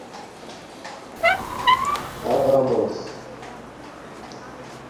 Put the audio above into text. اغݳمس